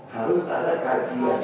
harus ada kajian